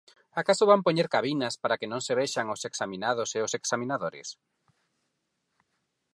¿Acaso van poñer cabinas para que non se vexan os examinados e os examinadores?